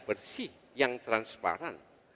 bersih yang transparan